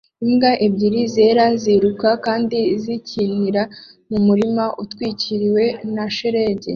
Imbwa ebyiri zera ziruka kandi zikinira mu murima utwikiriwe na shelegi